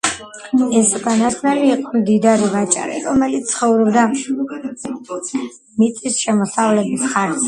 ეს უკანასკნელი იყო მდიდარი ვაჭარი, რომელიც ცხოვრობდა მიწის შემოსავლების ხარჯზე.